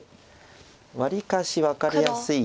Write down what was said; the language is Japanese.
わりかし分かりやすい。